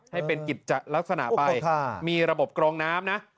ให้เป็นกิจลักษณะไปมีระบบกรองน้ำนะ